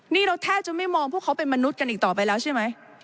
นี่เราแทบจะไม่มองพวกเขาเป็นมนุษย์กันอีกต่อไปแล้วใช่ไหม